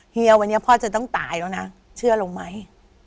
เฮียวันนี้พ่อจะต้องตายแล้วนะเชื่อลงไหม